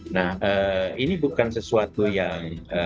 nah ini bukan sesuatu yang